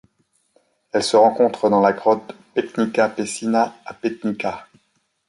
Elle se rencontre dans la grotte Petnička Pećina à Petnica.